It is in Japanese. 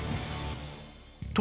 と